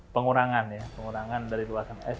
pengurangan dari luasan es